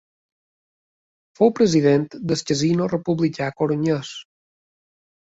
Fou president del Casino Republicà corunyès.